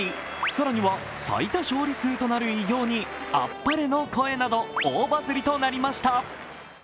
更には最多勝利数となる偉業にあっぱれの声など、大バズりとなりました。